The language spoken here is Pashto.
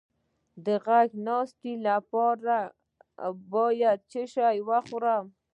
د غږ د ناستې لپاره باید څه شی وخورم؟